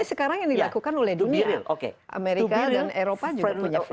ini sekarang yang dilakukan oleh dunia amerika dan eropa juga punya friends list